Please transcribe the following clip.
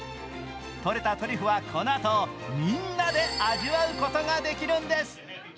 とれたトリュフはこのあと、みんなで味わうことができるんです。